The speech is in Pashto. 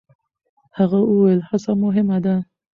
هغه وویل، هڅه مهمه ده.